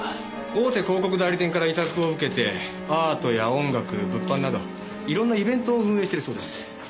大手広告代理店から委託を受けてアートや音楽物販などいろんなイベントを運営しているそうです。